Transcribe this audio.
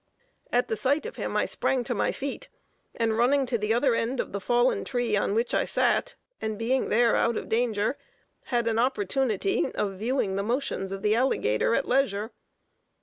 At the sight of him, I sprang to my feet, and running to the other end of the fallen tree on which I sat, and being there out of danger, had an opportunity of viewing the motions of the alligator at leisure.